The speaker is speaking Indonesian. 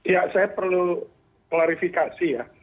ya saya perlu klarifikasi ya